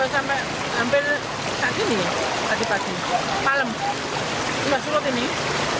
sampai sampai pagi pagi malam